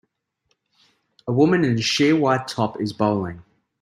A woman in a sheer white top is bowling.